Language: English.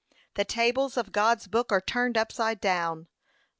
'The tables of God's book are turned upside down.